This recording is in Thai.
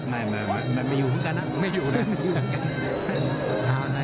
ไม่ไม่อยู่เหมือนกันนะ